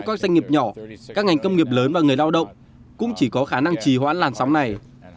các doanh nghiệp nhỏ các ngành công nghiệp lớn và người lao động cũng chỉ có khả năng trì hoãn làn sóng này